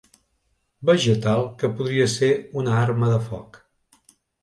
Vegetal que podria ser una arma de foc.